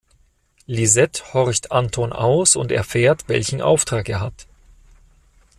Lisette horcht Anton aus und erfährt, welchen Auftrag er hat.